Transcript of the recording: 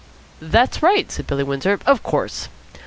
"That's right," said Billy Windsor. "Of course."